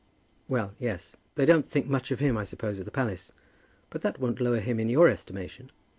"Well, yes. They don't think much of him, I suppose, at the palace. But that won't lower him in your estimation."